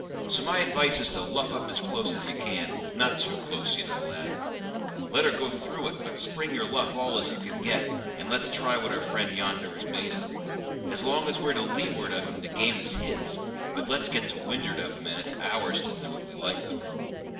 So my advice is to luff up as close as you can; not too close ye know, lad; let her go through it; but spring your luff all as you can get, and let's try what our friend yonder is made of. As long as we're to leeward of him the game is his; but let's get to wind'ard of him and it's ours to do what we like with it."